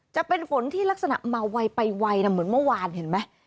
จะเป็นฝนที่ลักษณะมาไวไปไวนะเหมือนเมื่อวานเห็นไหม